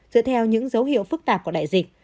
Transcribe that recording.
dựa theo những dấu hiệu phức tạp của đại dịch